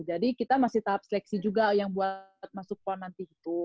jadi kita masih tahap seleksi juga yang buat masuk pon nanti gitu